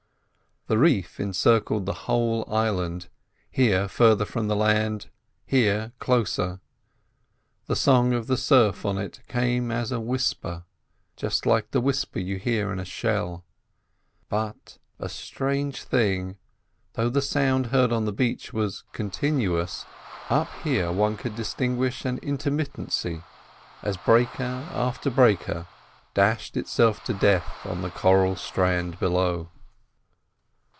The reef encircled the whole island, here further from the land, here closer; the song of the surf on it came as a whisper, just like the whisper you hear in a shell; but, a strange thing, though the sound heard on the beach was continuous, up here one could distinguish an intermittency as breaker after breaker dashed itself to death on the coral strand below.